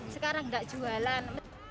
sekarang nggak jualan